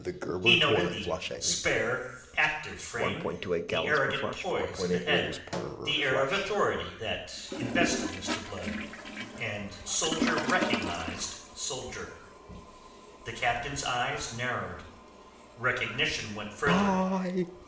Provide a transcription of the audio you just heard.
He noted the spare, active frame, the arrogant poise of the head, the air of authority that invested Mr. Blood, and soldier recognized soldier. The Captain's eyes narrowed. Recognition went further.